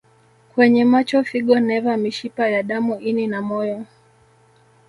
kwenye macho figo neva mishipa ya damu ini na moyo